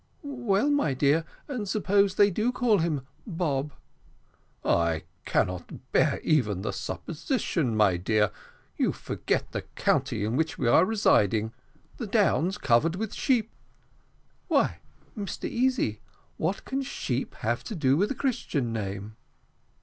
"Well, my dear, and suppose they do call him Bob?" "I cannot bear even the supposition, my dear. You forget the county in which we are residing, the downs covered with sheep." "Why, Mr Easy, what can sheep have to do with a Christian name?"